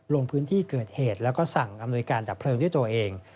ลงพื้นที่เกิดเหตุแล้วก็สั่งอำนวยการดับเพลิงด้วยตัวเอง